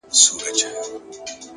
اخلاص د اړیکو قوت ساتي!.